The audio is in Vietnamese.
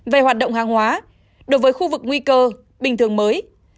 về hoạt động hàng hóa đối với khu vực nguy cơ bình thường mới